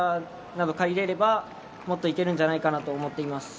借りればもっといけるんじゃないかと思っています。